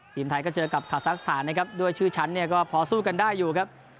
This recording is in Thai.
ทีมไทยก็เจอกับคาซักสถานนะครับด้วยชื่อชั้นเนี่ยก็พอสู้กันได้อยู่ครับ